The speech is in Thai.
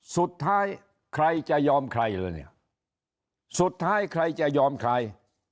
สุดท้ายใครจะยอมใครเลยเนี่ยสุดท้ายใครจะยอมใคร